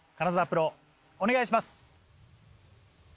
プロお願いします。